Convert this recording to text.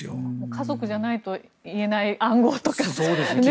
家族じゃないと言えない暗号とかね。